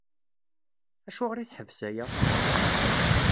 Acuɣer i teḥbes aya?